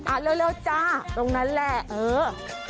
เร็วจ้าตรงนั้นแหละเออ